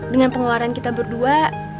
dengan pengeluaran kita berdua